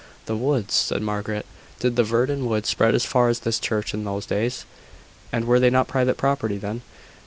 "The woods!" said Margaret. "Did the Verdon woods spread as far as this church in those days? And were they not private property then?"